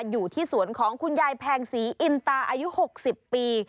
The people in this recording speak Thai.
อยู่ที่สวนของคุณยายแพงศรีอินตาอายุ๖๐ปี